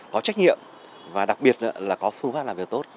có trách nhiệm và đặc biệt là có phương pháp làm việc tốt